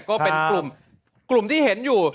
ก็เป็นกลุ่มที่เห็นอยู่